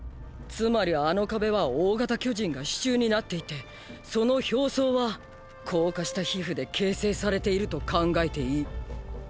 つまりあの壁は大型巨人が主柱になっていてその表層は硬化した皮膚で形成されていると考えていい。